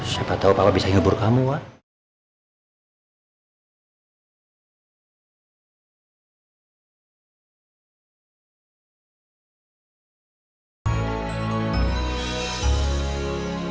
siapa tahu papa bisa nyubur kamu wak